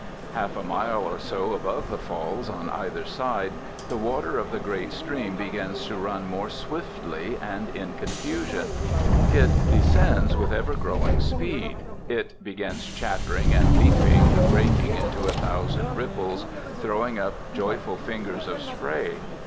Half a mile or so above the Falls, on either side, the water of the great stream begins to run more swiftly and in confusion. It descends with ever growing speed. It begins chattering and leaping, breaking into a thousand ripples, throwing up joyful fingers of spray.